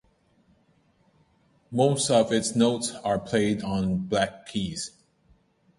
Most of its notes are played on black keys.